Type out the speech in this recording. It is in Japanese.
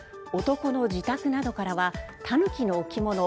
男の自宅などからはタヌキの置物